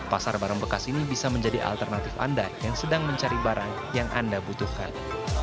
pasar barang bekas ini bisa menjadi alternatif anda yang sedang mencari barang yang anda butuhkan